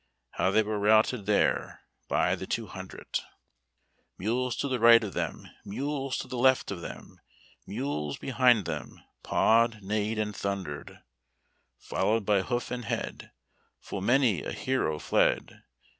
How they were routed there By the two hundred ! Mules to the right of them. Mules to the left of them, Mules behind them Pawed, neighed, and thundered; Followed by hoof and head Full many a hero fled.